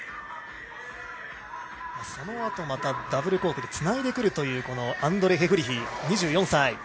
そのあとまだダブルコークでつないでくるというアンドレ・ヘフリヒ。